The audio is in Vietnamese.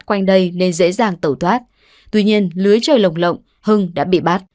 quanh đây nên dễ dàng tẩu thoát tuy nhiên lưới trời lồng lộng hưng đã bị bắt